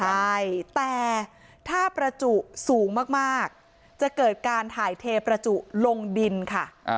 ใช่แต่ถ้าประจุสูงมากจะเกิดการถ่ายเทประจุลงดินค่ะ